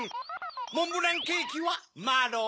モンブランケキはマロン。